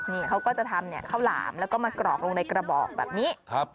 นี่เขาก็จะทำข้าวหลามแล้วก็มากรอกลงในกระบอกแบบนี้